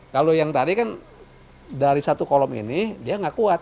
kalau yang tadi kan dari satu kolom ini dia nggak kuat